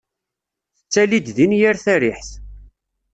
Tettalid din yir tariḥt.